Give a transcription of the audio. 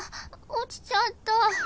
落ちちゃった。